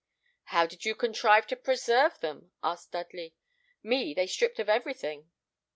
"How did you contrive to preserve them?" asked Dudley. "Me they stripped of everything."